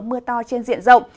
mưa to trên diện rộng